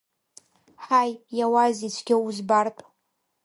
Ҳаи, иауазеи, цәгьа узбартә!